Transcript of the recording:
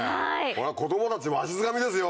子供たちわしづかみですよ。